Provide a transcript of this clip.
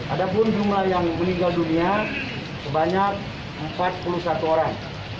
ada pun jumlah yang meninggal dunia sebanyak empat puluh satu orang